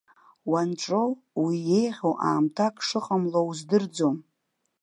Уанҿоу, уи еиӷьу аамҭак шыҟамло уздырӡом.